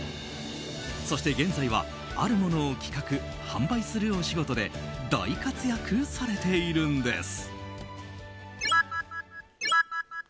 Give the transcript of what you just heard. そして現在は、あるものを企画・販売するお仕事で大活躍されているんです。